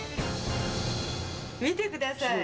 見てください！